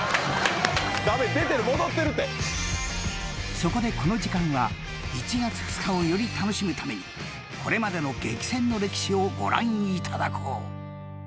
［そこでこの時間は１月２日をより楽しむためにこれまでの激戦の歴史をご覧いただこう］